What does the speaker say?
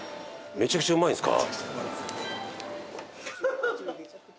めちゃくちゃうまいです。